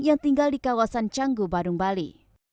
yang tinggal di kawasan canggu badung bali